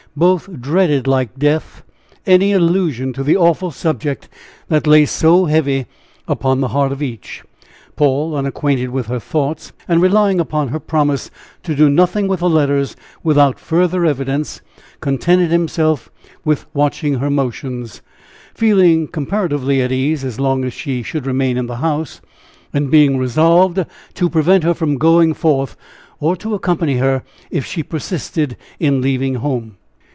Both dreaded like death any illusion to the awful subject that lay so heavy upon the heart of each. Paul, unacquainted with her thoughts, and relying upon her promise to do nothing with the letters without further evidence, contented himself with watching her motions, feeling comparatively at ease as long as she should remain in the house; and being resolved to prevent her from going forth, or to accompany her if she persisted in leaving home.